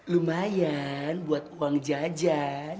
lumayan buat uang jajan